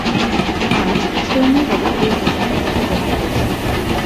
আজ, শৌনি হল এই ঘটনার ক্ষত বহন করছে।